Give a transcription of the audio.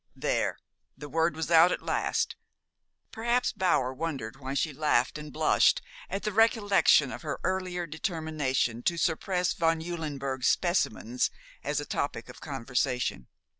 There the word was out at last. Perhaps Bower wondered why she laughed and blushed at the recollection of her earlier determination to suppress von Eulenberg's "specimens" as a topic of conversation.